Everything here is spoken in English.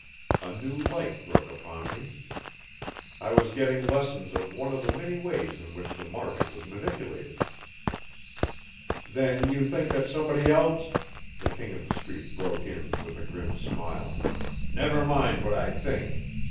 A new light broke upon me. I was getting lessons of one of the many ways in which the market was manipulated. "Then you think that somebody else " The King of the Street broke in with a grim smile. "Never mind what I think.